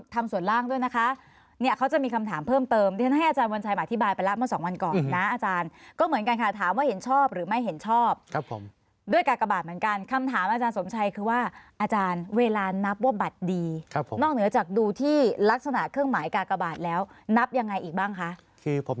ทำส่วนล่างด้วยนะคะเนี่ยเขาจะมีคำถามเพิ่มเติมที่ฉันให้อาจารย์วันชัยมาอธิบายไปแล้วเมื่อสองวันก่อนนะอาจารย์ก็เหมือนกันค่ะถามว่าเห็นชอบหรือไม่เห็นชอบด้วยกากบาทเหมือนกันคำถามอาจารย์สมชัยคือว่าอาจารย์เวลานับว่าบัตรดีนอกเหนือจากดูที่ลักษณะเครื่องหมายกากบาทแล้วนับยังไงอีกบ้างคะ